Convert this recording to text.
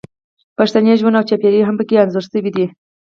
پښتني ژوند او چاپیریال هم پکې انځور شوی دی